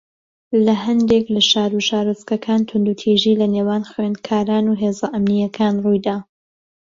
لە ھەندێک لە شار و شارۆچکەکان توندوتیژی لەنێوان خوێندکاران و هێزە ئەمنییەکان ڕووی دا